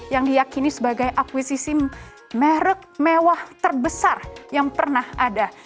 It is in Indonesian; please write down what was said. yang diyakini sebagai akuisisi merek mewah terbesar yang pernah ada